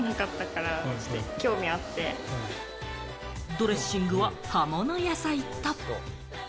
ドレッシングは葉物野菜と。